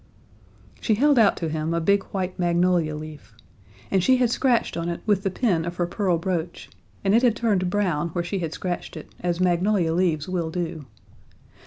She held out to him a big white magnolia leaf. And she had scratched on it with the pin of her pearl brooch, and it had turned brown where she had scratched it, as magnolia leaves will do.